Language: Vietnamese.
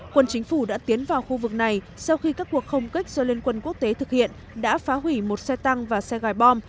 quân chính phủ đã tiến vào khu vực này sau khi các cuộc không kích do liên quân quốc tế thực hiện đã phá hủy một xe tăng và xe gài bom